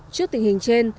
trước tình hình trên